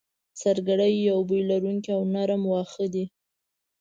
سرګړی یو بوی لرونکی او نرم واخه دی